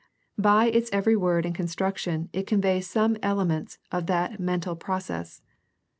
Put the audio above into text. By its every word and construction it conveys some elements of that mental process.